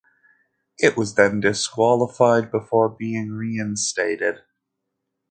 It was then disqualified before being reinstated.